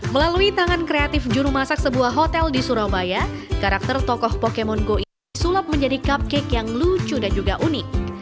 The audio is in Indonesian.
melalui tangan kreatif juru masak sebuah hotel di surabaya karakter tokoh pokemon go ini disulap menjadi cupcake yang lucu dan juga unik